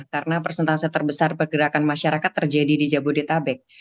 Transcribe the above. karena persentase terbesar pergerakan masyarakat terjadi di jabodetabek